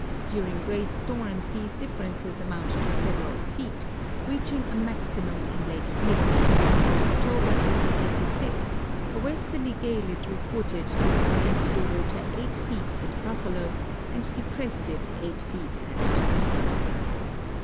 During great storms these differences amount to several feet, reaching a maximum in Lake Erie ; in October, 1886, a westerly gale is reported to have raised the water 8 feet at Buffalo and deprest it 8 feet at Toledo.